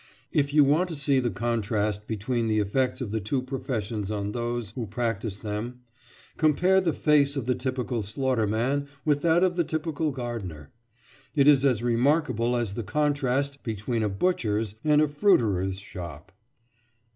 If you want to see the contrast between the effects of the two professions on those who practise them, compare the face of the typical slaughterman with that of the typical gardener. It is as remarkable as the contrast between a butcher's and a fruiterer's shop.